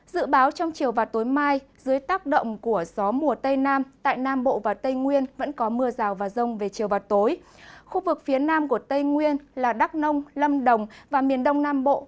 dự báo trong chiều và tối mai dưới tác động của gió mùa tây nam tại nam bộ và tây nguyên vẫn có mưa rào và rông